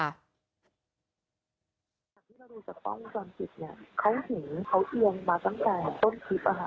จากที่เราดูจากกล้องวงจรปิดเนี่ยเขาเห็นเขาเอียงมาตั้งแต่ต้นคลิปอะค่ะ